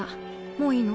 もういいの？